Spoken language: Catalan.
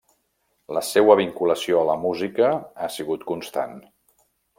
La seua vinculació a la música ha sigut constant.